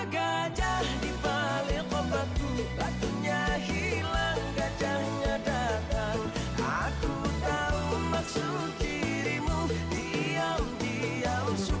ketibaan gajah kamu baru tahu